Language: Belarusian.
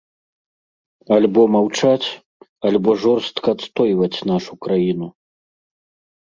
Альбо маўчаць, альбо жорстка адстойваць нашу краіну.